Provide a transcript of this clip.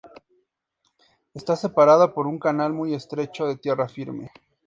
Está separada por un canal muy estrecho de tierra firme.